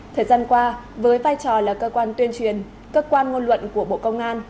thời gian qua với vai trò là cơ quan tuyên truyền cơ quan ngôn luận của bộ công an